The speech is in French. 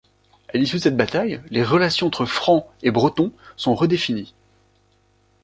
À l’issue de cette bataille, les relations entre Francs et Bretons sont redéfinies.